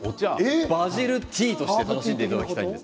バジルティーとして楽しんでいただきたいです。